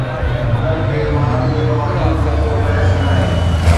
انهن کي مارڻ جي باوجود به ڪو بحث ناهي